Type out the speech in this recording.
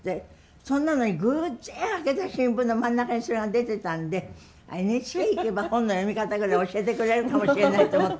それなのに偶然開けた新聞の真ん中にそれが出てたんでＮＨＫ行けば本の読み方ぐらい教えてくれるかもしれないと思って